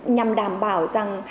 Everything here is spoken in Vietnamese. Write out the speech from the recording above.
nhằm đảm bảo rằng